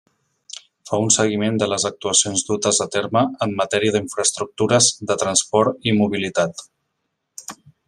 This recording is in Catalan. Fa un seguiment de les actuacions dutes a terme en matèria d'infraestructures de transport i mobilitat.